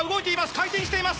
回転しています。